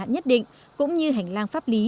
nhất định cũng như hành lang pháp lý